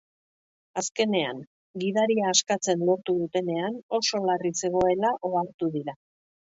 Azkenean, gidaria askatzen lortu dutenean, oso larri zegoela ohartu dira.